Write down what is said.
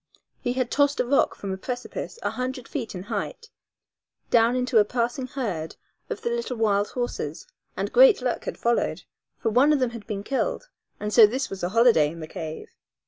He had tossed a rock from a precipice a hundred feet in height down into a passing herd of the little wild horses, and great luck had followed, for one of them had been killed, and so this was a holiday in the cave.